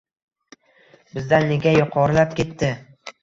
Bizdan nega yuqorilab ketdi.